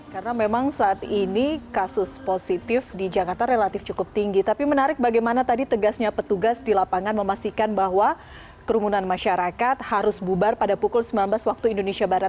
karena memang saat ini kasus positif di jakarta relatif cukup tinggi tapi menarik bagaimana tadi tegasnya petugas di lapangan memastikan bahwa kerumunan masyarakat harus bubar pada pukul sembilan belas waktu indonesia barat